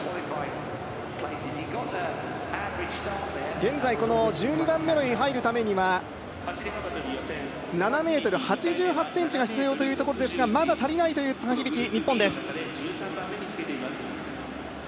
現在１２番目に入るためには７ｍ８８ｃｍが必要というところですが、まだ足りないという津波響樹、日本です。